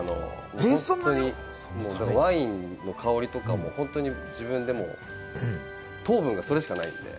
だからワインの香りとか、本当に自分でも糖分がそれしかないんで。